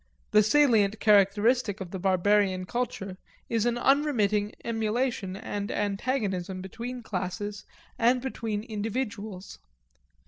The salient characteristic of the barbarian culture is an unremitting emulation and antagonism between classes and between individuals.